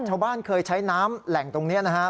ชาวบ้านเคยใช้น้ำแหล่งตรงนี้นะครับ